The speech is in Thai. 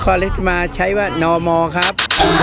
นครราชศรีมาร์ใช้ว่านรมครับ